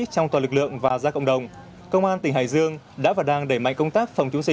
trong toàn lực lượng và ra cộng đồng công an tỉnh hải dương đã và đang đẩy mạnh công tác